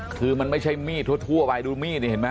คือมันไม่ใช่มีดทั่วไปดูมีดนี่เห็นไหม